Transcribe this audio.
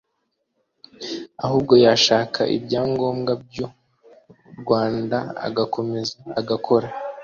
ahubwo yashaka ibyangombwa by’u Rwanda agakomeza agakora